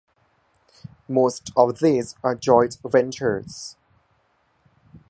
Most of these are joint ventures.